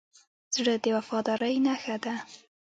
زړه د وفادارۍ نښه ده.